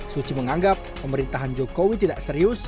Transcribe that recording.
suci menganggap pemerintahan jokowi tidak serius